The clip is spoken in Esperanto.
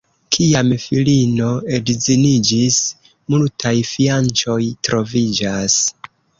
Kiam filino edziniĝis, multaj fianĉoj troviĝas.